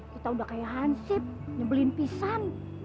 kita udah kayak hansip nyembelin pisan